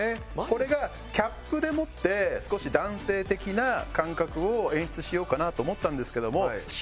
これがキャップでもって少し男性的な感覚を演出しようかなと思ったんですけども。